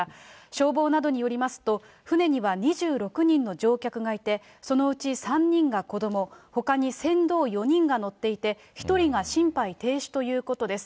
消防などによりますと、舟には２６人の乗客がいて、そのうち３人が子ども、ほかに船頭４人が乗っていて、１人が心肺停止ということです。